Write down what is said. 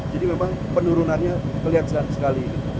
jadi memang penurunannya kelihatan sekali